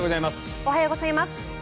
おはようございます。